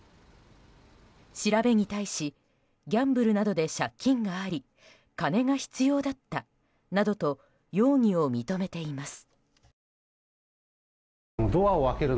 調べに対しギャンブルなどで借金があり金が必要だったなどと容疑を認めています。